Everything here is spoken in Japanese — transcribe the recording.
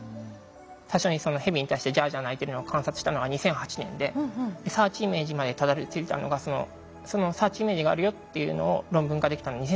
最初にそのヘビに対して「ジャージャー」鳴いてるのを観察したのが２００８年でサーチイメージまでたどりついたのがそのサーチイメージがあるよっていうのを論文化できたのは２０１８年。